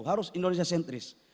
harus indonesia sentris